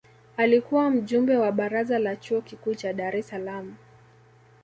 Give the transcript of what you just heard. alikuwa mjumbe wa baraza la chuo kikuu cha dar es salaam